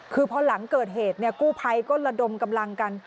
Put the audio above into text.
คือพอหลังเกิดเหตุกู้ภัยก็ระดมกำลังกัน